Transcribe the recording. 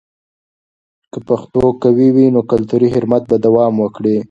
که پښتو قوي وي، نو کلتوري حرمت به دوام وکړي.